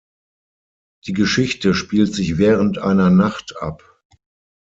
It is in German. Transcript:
Die Geschichte spielt sich während einer Nacht ab.